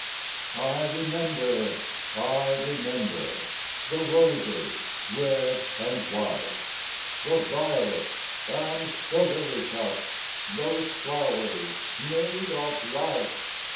I remember, I remember The roses, red and white, The violets, and the lily cups Those flowers made of light!